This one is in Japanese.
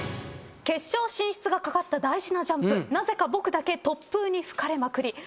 決勝進出がかかった大事なジャンプなぜか僕だけ突風に吹かれまくり